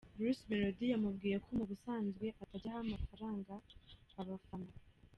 Bruce Melodie yamubwiye ko mu busanzwe atajya aha amafaranga afana.